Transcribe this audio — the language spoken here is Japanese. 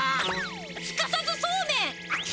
すかさずそうめん！